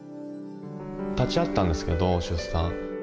立ち会ったんですけど出産。